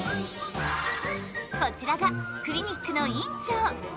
こちらがクリニックの院長。